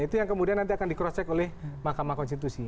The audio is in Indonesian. itu yang kemudian nanti akan di cross check oleh mahkamah konstitusi